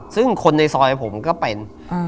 ซึ่งคนในซอยผมก็เป็น